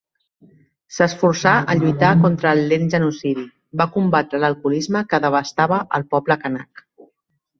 S'esforçà a lluitar contra el lent genocidi, va combatre l'alcoholisme que devastava el poble canac.